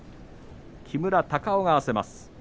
木村隆男が合わせます。